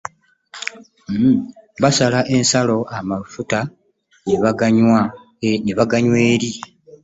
Basala ensalo amafuta ne baganywa eri.